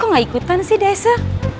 gak ikutan sih desa